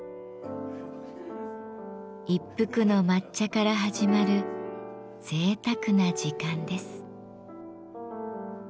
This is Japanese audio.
一服の抹茶から始まるぜいたくな時間です。